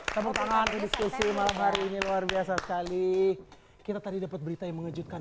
tepuk tangan diskusi malam hari ini luar biasa sekali kita tadi dapat berita yang mengejutkan